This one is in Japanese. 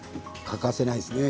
欠かせないですね